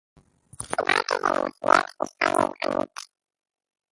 אין דבר כזה למסגר תפיסה גזענית